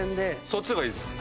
そっちがいいです。